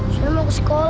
saya mau ke sekolah